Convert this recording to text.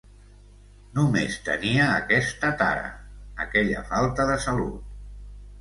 No més tenia aquesta tara: aquella falta de salut.